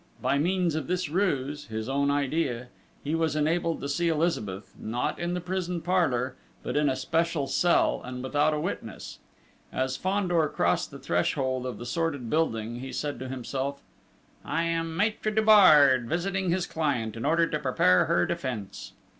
By means of this ruse his own idea he was enabled to see Elizabeth, not in the prison parlour, but in a special cell, and without a witness. As Fandor crossed the threshold of the sordid building, he said to himself: "I am Maître Dubard, visiting his client, in order to prepare her defence!"